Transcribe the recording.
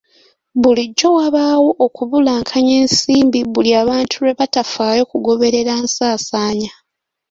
Bulijjo wabaawo okubulankanya ensimbi buli abantu lwe batafaayo kugoberera nsaasaanya.